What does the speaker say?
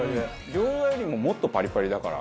餃子よりももっとパリパリだから。